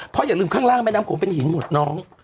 เพราะอย่าลืมข้างล่างแม่น้ำโขงเป็นหินหมดน้อง